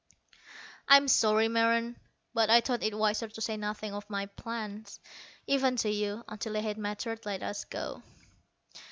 "I'm sorry, Meron, but I thought it wiser to say nothing of my plans, even to you, until they had matured. Let us go."